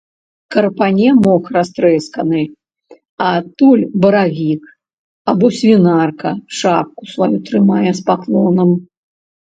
Карпане мох растрэсканы, а адтуль баравік або свінарка шапку сваю трымае з паклонам.